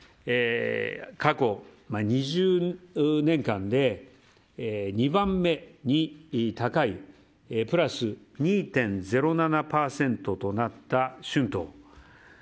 過去、２０年間で２番目に高いプラス２．０７％となった春闘。